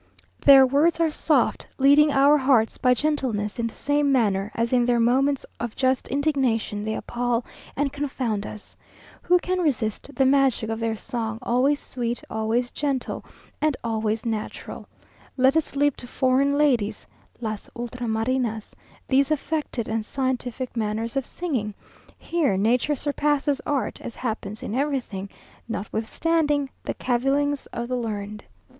Their words are soft, leading our hearts by gentleness, in the same manner as in their moments of just indignation they appal and confound us. Who can resist the magic of their song, always sweet, always gentle, and always natural? Let us leave to foreign ladies (las ultramarinas) these affected and scientific manners of singing; here nature surpasses art, as happens in everything, notwithstanding the cavillings of the learned.